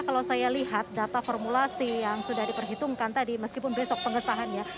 kalau saya lihat data formulasi yang sudah diperhitungkan tadi meskipun besok pengesahannya